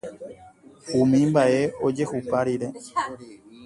Umi mba'e ojehupa rire